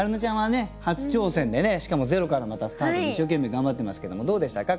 初挑戦でねしかもゼロからまたスタートで一生懸命頑張ってますけどもどうでしたか？